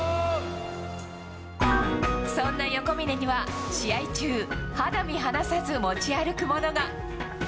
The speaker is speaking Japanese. そんな横峯には、試合中、肌身離さず持ち歩くものが。